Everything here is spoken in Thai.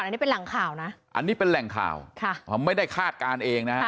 อันนี้เป็นแหล่งข่าวนะอันนี้เป็นแหล่งข่าวค่ะไม่ได้คาดการณ์เองนะฮะ